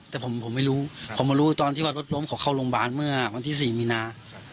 แต่ผมไม่รู้ผมมารู้ตอนที่ว่ารถล้มเขาเข้าโรงพยาบาลเมื่อวันที่๔มีนา